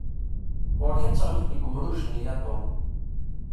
Ɣur-k ad teɣliḍ deg urmuj-nni a Tom!